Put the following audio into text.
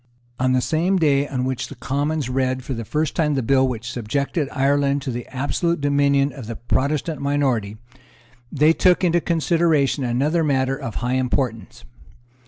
On the same day on which the Commons read for the first time the bill which subjected Ireland to the absolute dominion of the Protestant minority, they took into consideration another matter of high importance.